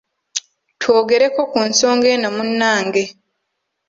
Twogereko ku nsonga eno munnange.